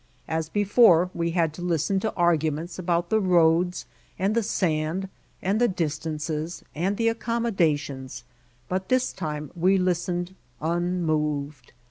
As before we had to listen to arguments about the roads and the sand and the distances and the accommodations, but this time we listened unmoved.